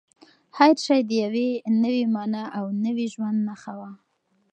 هر شی د یوې نوې مانا او نوي ژوند نښه وه.